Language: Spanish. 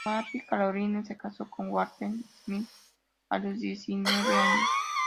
Mary Caroline se casó con Walter Smith Starr a los diecinueve años.